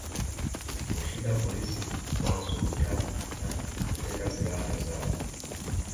kushinda polisi wa sulutani na kuteka silaha zao